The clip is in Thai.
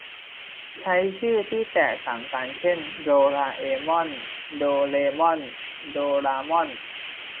ใช้ชื่อที่แตกต่างกันเช่น โดราเอมอน โดเรมอน โดรามอน